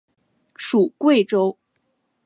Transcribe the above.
属桂州。